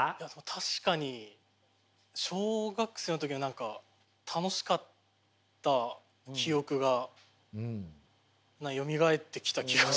確かに小学生の時は何か楽しかった記憶がよみがえってきた気がします。